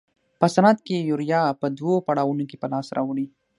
په صنعت کې یوریا په دوو پړاوونو کې په لاس راوړي.